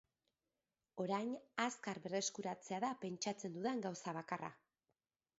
Orain azkar berreskuratzea da prentsatzen dudan gauza bakarra.